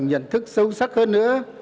nhận thức sâu sắc hơn nữa